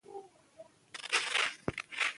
په لیلا هر سړی مين دی